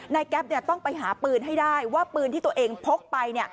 แก๊ปต้องไปหาปืนให้ได้ว่าปืนที่ตัวเองพกไป